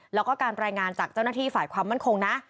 แล้วก็การรายงานจากเจ้าหน้าที่ฝ่ายความมั่นคงนะ